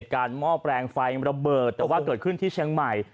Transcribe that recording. เหตุการณ์ม่อแปลงไฟมันระเบิดแต่ว่าเกิดขึ้นที่เชียงใหม่